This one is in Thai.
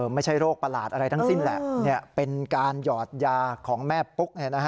ไม่ใช่โรคประหลาดอะไรทั้งสิ้นแหละเป็นการหยอดยาของแม่ปุ๊ก